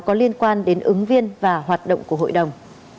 có liên quan đến ứng viên và hoạt động của hội đồng